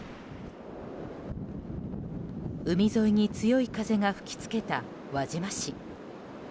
海沿いに強い風が吹きつけた輪島市。